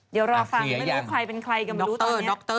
เดี๋ยวรอฟังไม่รู้ใครเป็นใครก็ไม่รู้ตอนนี้ดร